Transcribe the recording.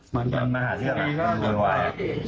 มันมาหาเสื้อหลักมันโดยวาย